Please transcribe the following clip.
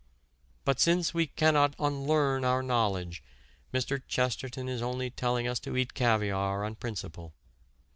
But since we cannot unlearn our knowledge, Mr. Chesterton is only telling us to eat caviare on principle."